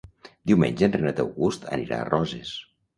Diumenge en Renat August anirà a Roses.